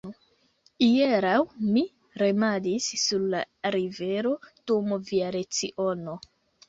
Hieraŭ mi remadis sur la rivero dum via leciono.